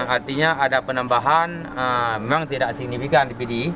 artinya ada penambahan memang tidak signifikan dpd